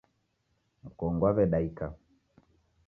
Mkongo waw'edaika.